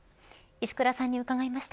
石倉さんに伺いました。